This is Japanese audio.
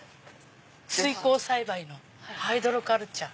水耕栽培ハイドロカルチャー。